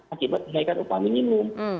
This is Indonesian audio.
akibat naikan upah minimum